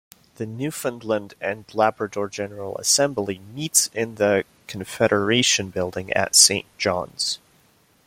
The Newfoundland and Labrador General Assembly meets in the Confederation Building at Saint John's.